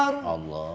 allahu akbar allah